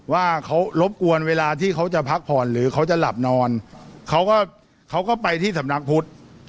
ว่าเขารบกวนเวลาที่เขาจะพักผ่อนหรือเขาจะหลับนอนเขาก็เขาก็ไปที่สำนักพุทธ